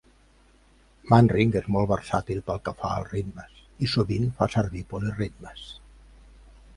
Manring és molt versàtil pel que fa als ritmes, i sovint fa servir poliritmes.